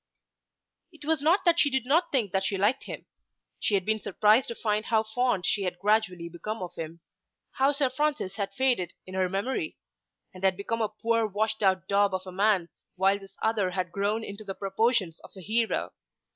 It was not that she did not think that she liked him. She had been surprised to find how fond she had gradually become of him; how Sir Francis had faded in her memory, and had become a poor washed out daub of a man while this other had grown into the proportions of a hero.